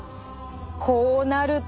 こうなると。